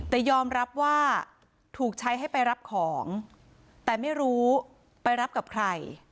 แต่ยอมรับว่าถูกใช้ให้ไปรับของแต่ไม่รู้ไปรับกับใคร